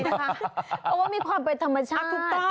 เพราะว่ามีความเป็นธรรมชาติ